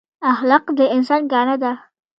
اخلاق د انسان ګاڼه ده